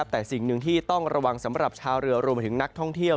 แต่สิ่งหนึ่งที่ต้องระวังสำหรับชาวเรือรวมไปถึงนักท่องเที่ยว